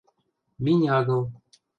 — Минь агыл...